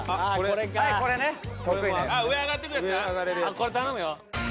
これ頼むよ。